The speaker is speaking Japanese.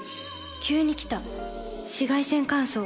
急に来た紫外線乾燥。